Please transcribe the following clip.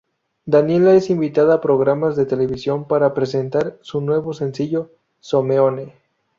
Daniela es invitada a programas de televisión para presentar su nuevo sencillo "Someone".